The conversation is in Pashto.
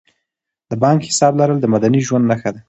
د بانک حساب لرل د مدني ژوند نښه ده.